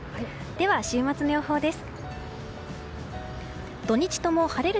では、週末の予報です。